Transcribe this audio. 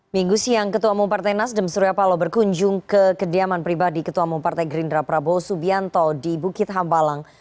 minggu siang ketua umum partai nasdem surya palo berkunjung ke kediaman pribadi ketua umum partai gerindra prabowo subianto di bukit hambalang